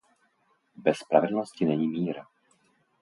Bez spravedlnosti není mír.